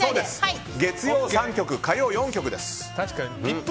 月曜３曲、火曜４曲です。